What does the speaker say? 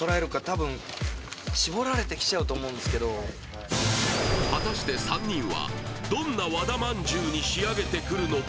いいしゃくれ方を果たして３人はどんな和田まんじゅうに仕上げてくるのか